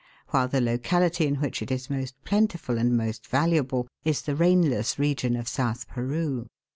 while the locality in which it is most plentiful and most valuable is the rainless region of South Peru.